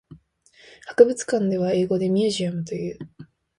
博物館は英語でミュージアムという。